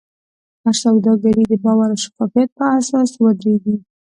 هره سوداګري د باور او شفافیت په اساس ودریږي.